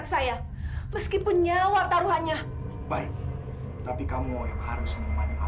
kayaknya ini rumah yudi tapi kenapa sedih ya